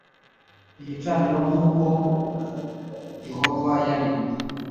gicaniro i nk uko Yehova yari